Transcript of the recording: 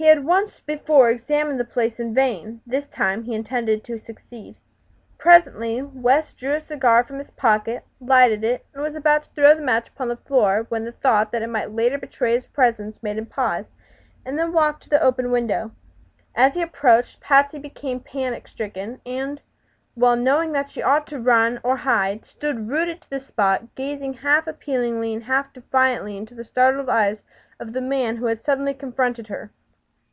He had once before examined the place in vain; this time he intended to succeed. Presently West drew a cigar from his pocket, lighted it, and was about to throw the match upon the floor when the thought that it might later betray his presence made him pause and then walk to the open window. As he approached, Patsy became panic stricken and, well knowing that she ought to run or hide, stood rooted to the spot, gazing half appealingly and half defiantly into the startled eyes of the man who suddenly confronted her.